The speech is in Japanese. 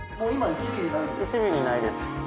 １ミリないです。